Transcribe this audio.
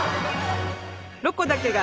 「ロコだけが」。